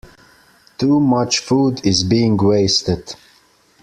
Too much food is being wasted.